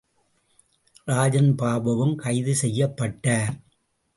ராஜன் பாபுவும் கைது செய்யப்பட்டார்.